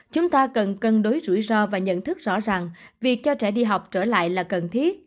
chúng ta cần cân đối rủi ro và nhận thức rõ ràng việc cho trẻ đi học trở lại là cần thiết